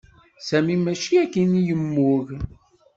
Sami mačči akken i yemmug.